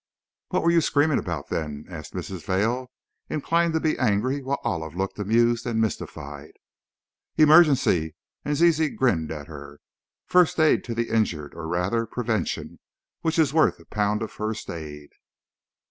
"What were you screaming about, then?" asked Mrs. Vail, inclined to be angry, while Olive looked amused and mystified. "Emergency," and Zizi grinned at her. "First aid to the injured, or, rather, prevention, which is worth a pound of first aid!"